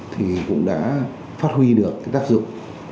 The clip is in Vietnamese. thì cũng đã phát huy được tác dụng